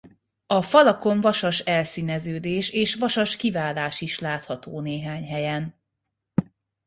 A falakon vasas elszíneződés és vasas kiválás is látható néhány helyen.